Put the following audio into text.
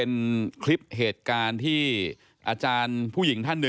ในคลิปจะเห็นว่าอาจารย์หญิงคนนี้ขับรถยนต์มาจอดตรงบริเวณที่วัยรุ่นกันอยู่นะครับ